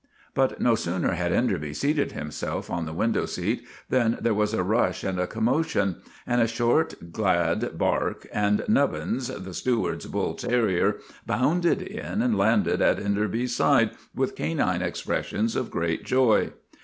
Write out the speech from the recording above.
But no sooner had Enderby seated himself on the window seat than there was a rush and a commo tion, and a short, glad bark, and Nubbins, the steward's bull terrier, bounded in and landed at Enderby's side with canine expressions of great joy.